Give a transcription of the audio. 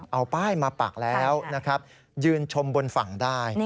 เอาป้ายมาปักแล้วนะครับยืนชมบนฝั่งได้